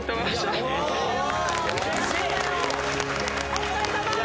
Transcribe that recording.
お疲れさま！